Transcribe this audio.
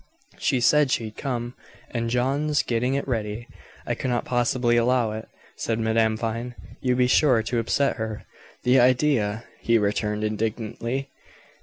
She said she'd come, and John's getting it ready." "I could not possibly allow it," said Madame Vine. "You'd be sure to upset her." "The idea!" he returned, indignantly.